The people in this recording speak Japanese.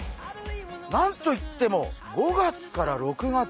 何と言っても５月から６月